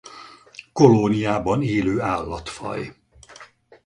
Kolóniában élő állatfaj.